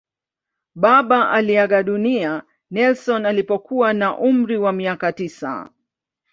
Baba aliaga dunia Nelson alipokuwa na umri wa miaka tisa.